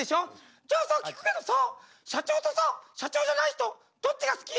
「じゃあさ聞くけどさ社長とさ社長じゃない人どっちが好き？」。